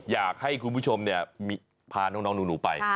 อยากให้คุณผู้ชมพาน้องหนูไป